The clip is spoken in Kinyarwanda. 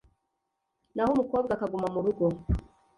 naho umukobwa akaguma mu rugo